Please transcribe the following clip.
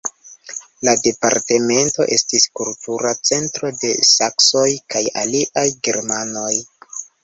La departemento estis kultura centro de saksoj kaj aliaj germanoj.